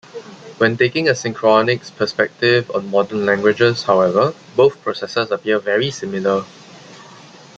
When taking a synchronic perspective on modern languages, however, both processes appear very similar.